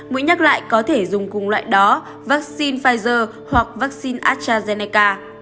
mũi nhắc lại có thể dùng cùng loại đó vaccine pfizer hoặc vaccine astrazeneca